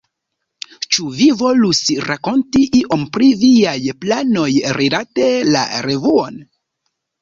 Ĉu vi volus rakonti iom pri viaj planoj rilate la revuon?